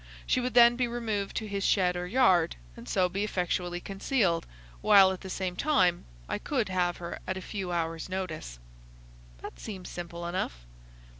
She would then be removed to his shed or yard, and so be effectually concealed, while at the same time I could have her at a few hours' notice." "That seems simple enough."